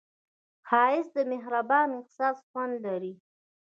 ښایست د مهربان احساس خوند لري